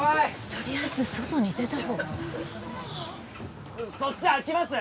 とりあえず外に出たほうがそっち開きます？